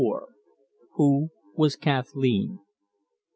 "WHO WAS KATHLEEN?"